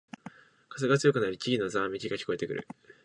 風が強くなり木々のざわめきが聞こえてくる